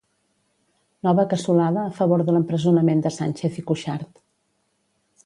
Nova cassolada a favor de l'empresonament de Sánchez i Cuixart.